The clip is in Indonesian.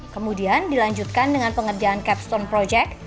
kemudian dilanjutkan dengan pengerjaan capstone project